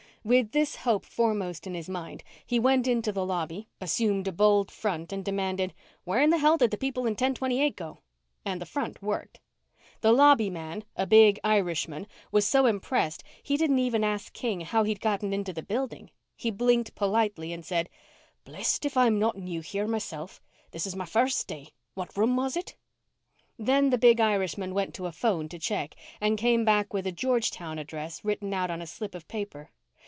With this hope foremost in his mind, he went into the lobby, assumed a bold front, and demanded: "Where in the hell did the people in ten twenty eight go?" And the front worked. The lobby man, a big Irishman, was so impressed he didn't even ask King how he'd gotten into the building. He blinked politely and said, "Blessed if I'm not new here myself. This is my first day. What room was it?" Then the big Irishman went to a phone to check, and came back with a Georgetown address written out on a slip of paper.